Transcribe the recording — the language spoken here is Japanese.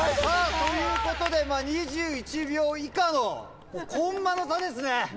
ということで、２１秒以下の、コンマの差ですね。